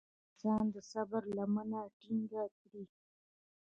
که انسان د صبر لمنه ټينګه کړي.